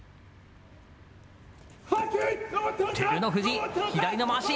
照ノ富士、左のまわし。